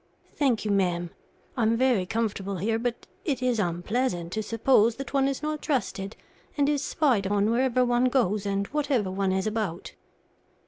"Thank you, ma'am. I'm very comfortable here, but it is unpleasant to suppose that one is not trusted, and is spied on wherever one goes and whatever one is about."